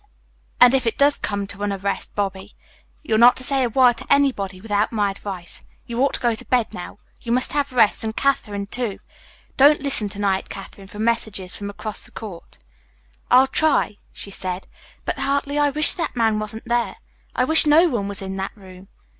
"And if it does come to an arrest, Bobby, you're not to say a word to anybody without my advice. You ought to get to bed now. You must have rest, and Katherine, too. Don't listen to night, Katherine, for messages from across the court." "I'll try," she said, "but, Hartley, I wish that man wasn't there. I wish no one was in that room."